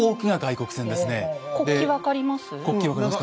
国旗分かります？